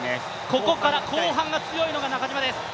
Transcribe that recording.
ここから後半が強いのが中島です。